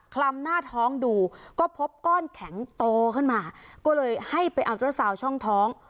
ลำหน้าท้องดูก็พบก้อนแข็งโตขึ้นมาก็เลยให้ไปอัลเตอร์ซาวน์ช่องท้อง